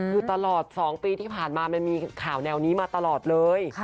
คือตลอด๒ปีที่ผ่านมามันมีข่าวแนวนี้มาตลอดเลย